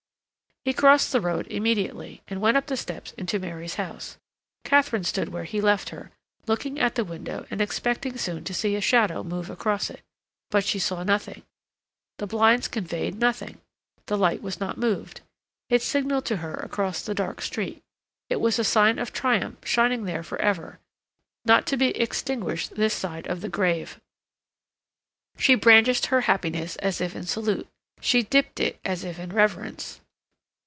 He crossed the road immediately, and went up the steps into Mary's house. Katharine stood where he left her, looking at the window and expecting soon to see a shadow move across it; but she saw nothing; the blinds conveyed nothing; the light was not moved. It signaled to her across the dark street; it was a sign of triumph shining there for ever, not to be extinguished this side of the grave. She brandished her happiness as if in salute; she dipped it as if in reverence.